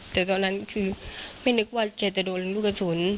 แต่ตอนนั้นคือไม่นึกว่าแกจะโดนลูกกระสุน